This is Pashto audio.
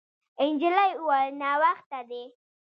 نجلۍ وویل: «ناوخته دی.»